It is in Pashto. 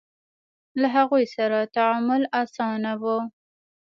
له هغوی سره تعامل اسانه و.